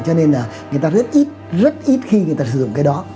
cho nên là người ta rất ít rất ít khi người ta sử dụng cái đó